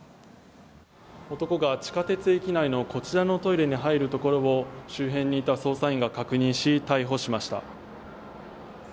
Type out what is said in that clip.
男が地下鉄駅内のこちらのトイレに入るところを周辺にいた捜査員が確認し逮捕しました。